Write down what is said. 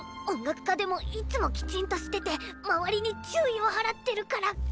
音楽科でもいつもきちんとしてて周りに注意を払ってるから！